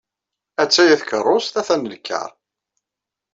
Atta-ya tkeṛṛust, atan lkar.